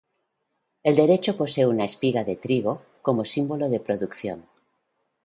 El derecho posee una espiga de trigo, como símbolo de producción.